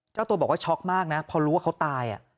เจ้าตัวบอกว่าช็อกมากนะพอรู้ว่าเขาตาย